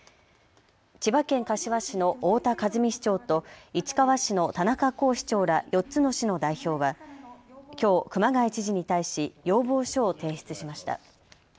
千葉県柏市の太田和美市長と市川市の田中甲市長ら４つの市の代表はきょう熊谷知事に対し要望書を提出しました。